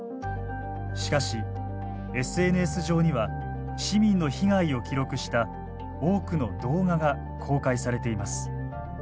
しかしＳＮＳ上には市民の被害を記録した多くの動画が公開されています。